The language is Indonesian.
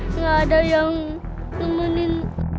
nggak ada yang nemenin